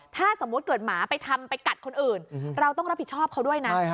ถ้าสมมุติเกิดหมาไปทำไปกัดคนอื่นเราต้องรับผิดชอบเขาด้วยนะ